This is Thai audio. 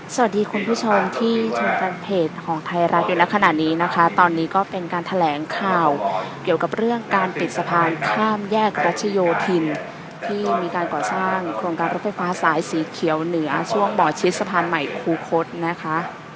สวัสดีคุณผู้ชมที่ชมแฟนเพจของไทยรัฐอยู่ในขณะนี้นะคะตอนนี้ก็เป็นการแถลงข่าวเกี่ยวกับเรื่องการปิดสะพานข้ามแยกรัชโยธินที่มีการก่อสร้างโครงการรถไฟฟ้าสายสีเขียวเหนือช่วงหมอชิดสะพานใหม่คูคศนะคะ